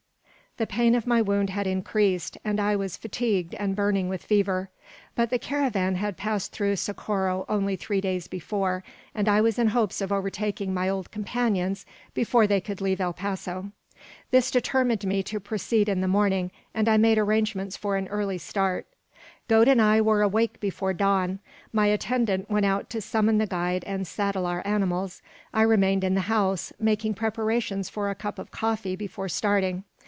The pain of my wound had increased, and I was fatigued and burning with fever. But the caravan had passed through Socorro only three days before, and I was in hopes of overtaking my old companions before they could leave El Paso. This determined me to proceed in the morning, and I made arrangements for an early start. Gode and I were awake before dawn. My attendant went out to summon the guide and saddle our animals. I remained in the house, making preparations for a cup of coffee before starting.